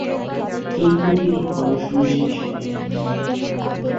কিন্তু তিনি পড়াশোনা শেষ করেননি।